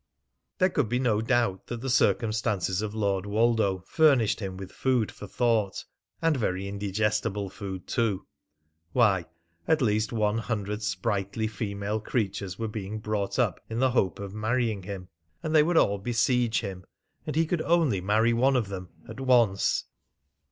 There could be no doubt that the circumstances of Lord Woldo furnished him with food for thought, and very indigestible food too.... Why, at least one hundred sprightly female creatures were being brought up in the hope of marrying him. And they would all besiege him, and he could only marry one of them at once!